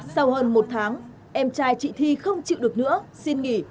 sau hơn một tháng em trai chị thi không chịu được nữa xin nghỉ